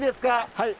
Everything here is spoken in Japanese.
はい。